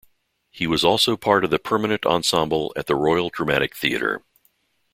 He was also part of the permanent ensemble at the Royal Dramatic Theatre.